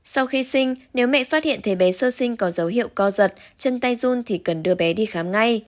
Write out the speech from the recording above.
sau khi sinh nếu mẹ phát hiện thấy bé sơ sinh có dấu hiệu co giật chân tay run thì cần đưa bé đi khám ngay